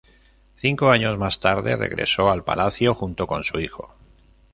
Cinco años más tarde, regresó al Palacio junto con su hijo.